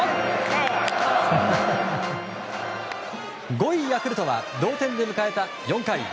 ５位、ヤクルトは同点で迎えた４回。